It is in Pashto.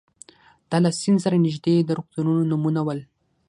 دا له سیند سره نږدې د روغتونونو نومونه ول.